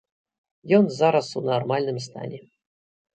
Ён зараз у нармальным стане.